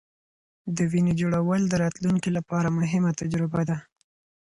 د وینې جوړول د راتلونکې لپاره مهمه تجربه ده.